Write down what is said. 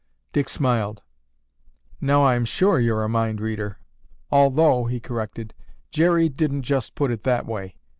Dick smiled. "Now I'm sure you're a mind reader. Although," he corrected, "Jerry didn't just put it that way.